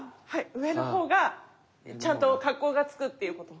上の方がちゃんと格好がつくっていうこと？